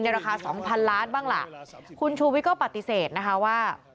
ราคาสองพันล้านบ้างล่ะคุณชูวิทย์ก็ปฏิเสธนะคะว่า